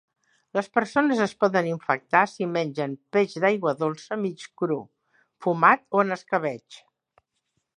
Les persones es poden infectar si mengen peix d'aigua dolça mig cru, fumat o en escabetx.